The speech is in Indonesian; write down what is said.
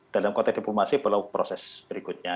dalam konteks diplomasi perlu proses berikutnya